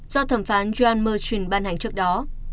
do thẩm phán john merchant ban hành trước đó